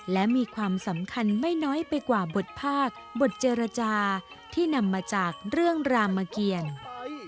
และมีความสำคัญไม่น้อยไปกว่าบทภาคบทเจรจาที่นำมาจากเรื่องรามเกียร